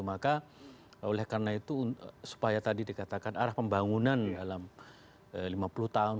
maka oleh karena itu supaya tadi dikatakan arah pembangunan dalam lima puluh tahun